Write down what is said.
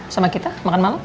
sama kita makan malam